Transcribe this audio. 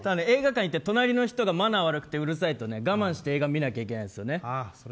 映画館行って隣の人がマナー悪くてうるさいと我慢して映画見ないといけないですよね。